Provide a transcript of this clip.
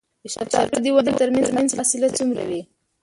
د شفتالو د ونو ترمنځ فاصله څومره وي؟